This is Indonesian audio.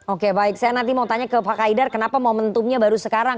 oke baik saya nanti mau tanya ke pak kaidar kenapa momentumnya baru sekarang